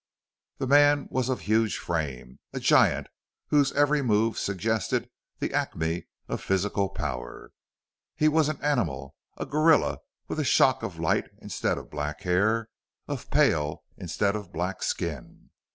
The man was of huge frame, a giant whose every move suggested the acme of physical power. He was an animal a gorilla with a shock of light instead of black hair, of pale instead of black skin.